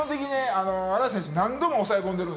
新井選手、何度も抑え込んでる。